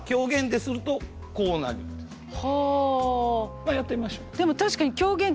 まあやってみましょう。